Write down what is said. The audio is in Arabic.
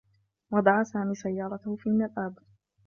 وضع سامي سيّارته في المرآب.